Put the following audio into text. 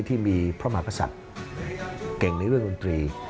ที่มีพระมหากษัตริย์เก่งในเรื่องดนตรี